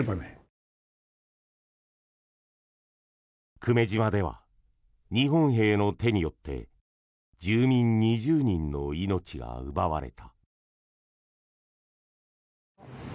久米島では日本兵の手によって住民２０人の命が奪われた。